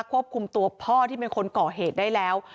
ควบคุมตัวพ่อที่เป็นคนก่อเหตุได้แล้ว